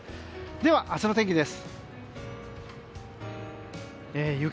では、明日の天気です。